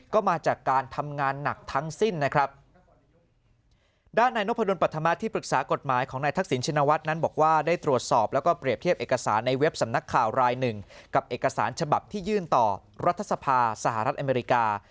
กับเอกสารฉบับที่ยื่นต่อรัฐสภาสหรัฐอเมริกา